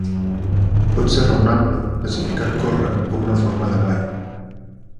Pot ser raonable classificar córrer com una forma de ball.